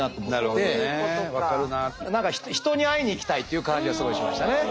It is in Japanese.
何か人に会いに行きたいっていう感じはすごいしましたね。